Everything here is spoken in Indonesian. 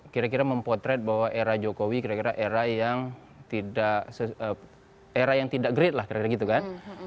kira kira mempotret bahwa era jokowi kira kira era yang tidak great lah kira kira gitu kan